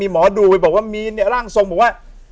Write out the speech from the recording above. หมอดูไปบอกว่ามีเนี่ยร่างทรงบอกว่า